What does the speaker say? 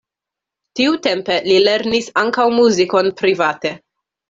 Tiutempe li lernis ankaŭ muzikon private.